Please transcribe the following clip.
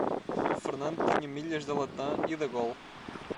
O Fernando tinha milhas da Latam e da Gol.